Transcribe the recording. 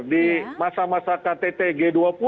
di masa masa kttg dua puluh